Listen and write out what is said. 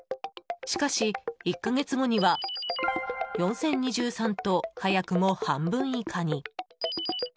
しかし１か月後には４０２３と早くも半分以下に。